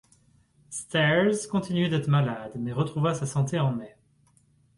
Stairs continuait d'être malade, mais retrouva sa santé en mai.